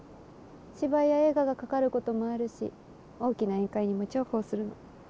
芝居や映画がかかることもあるし大きな宴会にも重宝するの。